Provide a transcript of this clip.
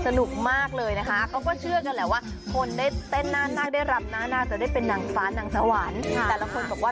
สนุกมากเลยนะคะเขาก็เชื่อกันแหละว่าคนได้เต้นหน้านาคได้รำหน้าน่าจะได้เป็นนางฟ้านางสวรรค์แต่ละคนบอกว่า